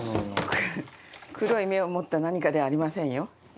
黒い目を持った何かではありませんよ。